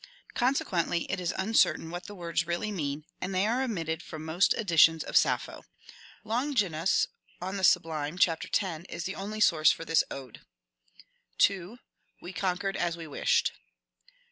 Consequently it is uncertain what the words really mean, and they are omitted from most editions of Sappho. Longinus Q*^ On the Sublime," chap. 10) is the only source for this ode. 2. " We conquered as we wished.